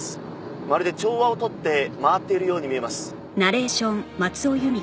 まるで調和をとって回っているように見えます。